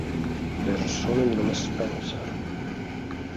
Persone di nome Spencer